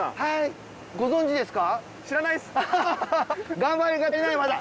はいご存じですか？